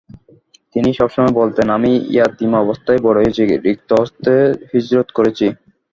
তিনি সবসময় বলতেন, আমি ইয়াতীম অবস্থায় বড় হয়েছি, রিক্ত হস্তে হিজরাত করেছি।